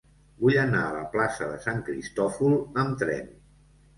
Vull anar a la plaça de Sant Cristòfol amb tren.